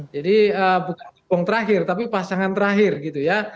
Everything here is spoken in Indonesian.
jadi bukan hubung terakhir tapi pasangan terakhir gitu ya